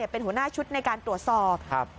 เป็นหัวหน้าชุดในการตรวจสอบ